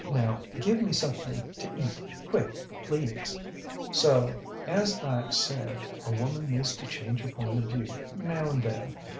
Now give me something to eat, quick, please. ŌĆÖ ŌĆ£So, as IŌĆÖve said, a woman needs to change her point of view now and then.